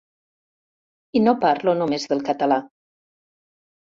I no parlo només del català.